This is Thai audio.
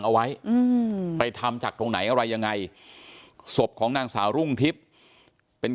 เอาไว้ไปทำจากตรงไหนอะไรยังไงศพของนางสาวรุ่งทิพย์เป็น